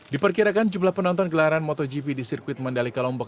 diperkirakan jumlah penonton gelaran motogp di sirkuit mandalika lombok